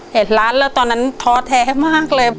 เห็นร้านแล้วตอนนั้นท้อแท้มากเลย